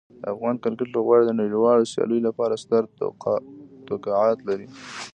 د افغان کرکټ لوبغاړو د نړیوالو سیالیو لپاره ستر توقعات لري.